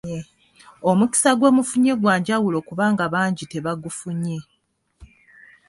Omukisa gwe mufunye gwa njawulo kubanga bangi tebagufunye.